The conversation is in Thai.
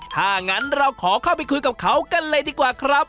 ถ้างั้นเราขอเข้าไปคุยกับเขากันเลยดีกว่าครับ